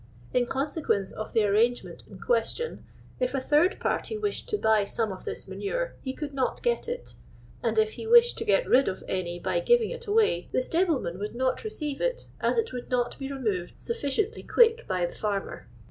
In consequence of the arrangement in question, if a third party wished to buy some of this manure, he could not get it ; and if he wished to pet rid of any by giving it away, the stable man would not receive it, as it would not be re moved sufficiently quick by the farmer.